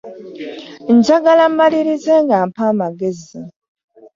Njagala mmalirize nga mpa amagezi.